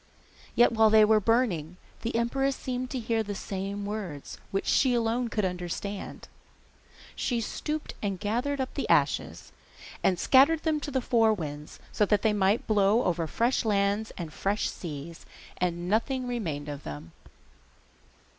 Yet while they were burning the empress seemed to hear the same words, which she alone could understand. Then she stooped and gathered up the ashes, and scattered them to the four winds, so that they might blow over fresh lands and fresh seas, and nothing remain of them.